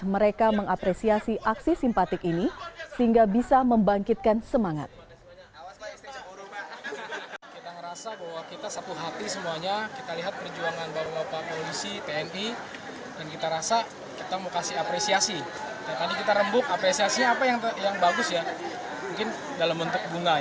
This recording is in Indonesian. mereka mengapresiasi aksi simpatik ini sehingga bisa membangkitkan semangat